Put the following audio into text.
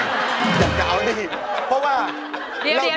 อยากจะเอานี่เพราะว่า